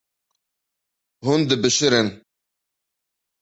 Hûn dibişirin.